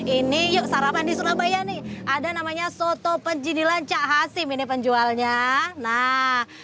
ini yuk sarapan di surabaya nih ada namanya soto penjinilan cak hasim ini penjualnya nah